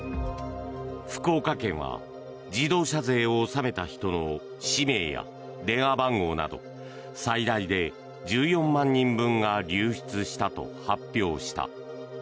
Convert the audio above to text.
福岡県は自動車税を納めた人の氏名や電話番号など最大で１４万人分が流出したと発表した。